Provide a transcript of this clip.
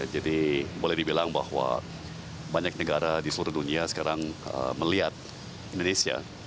jadi boleh dibilang bahwa banyak negara di seluruh dunia sekarang melihat indonesia